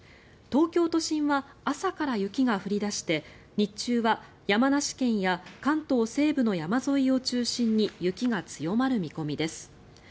東京都心は朝から雪が降り出して日中は山梨県や関東西部の山沿いを中心に雪が強まる見込みです。